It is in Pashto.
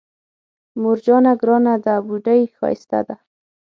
مور جانه ګرانه ده بوډۍ ښايسته ده